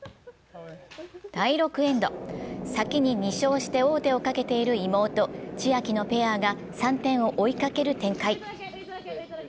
第６エンド、先に２勝して王手をかけている妹、千秋のペアが３点を追いかける展開。